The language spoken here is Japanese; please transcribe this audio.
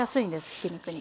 ひき肉に。